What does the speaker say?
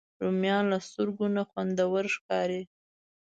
رومیان له سترګو نه خوندور ښکاري